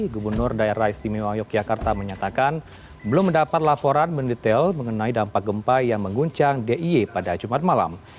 gubernur daerah istimewa yogyakarta menyatakan belum mendapat laporan mendetail mengenai dampak gempa yang mengguncang d i e pada jumat malam